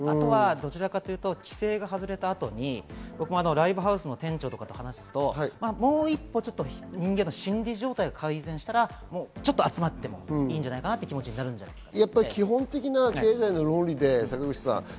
あとは規制が外れた後に、僕もライブハウスの店長とかと話すと、もう一歩、人間の心理状態が改善したらも、ちょっと集まってもいいんじゃないかなという気持ちになるんじゃないですかね。